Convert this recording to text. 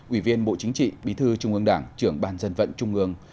ủy viên bộ chính trị bí thư trung ương đảng trưởng ban dân vận trung ương